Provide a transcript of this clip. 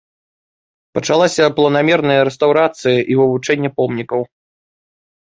Пачалася планамерная рэстаўрацыя і вывучэнне помнікаў.